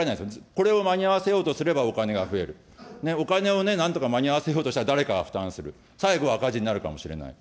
これを間に合わせようとすればお金が増える、お金をなんとか間に合わせようとすれば誰かが負担する、最後は赤字になるかもしれない。